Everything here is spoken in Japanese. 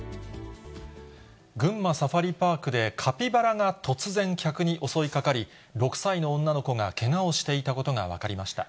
群馬サファリパークで、カピバラが突然、客に襲いかかり、６歳の女の子がけがをしていたことが分かりました。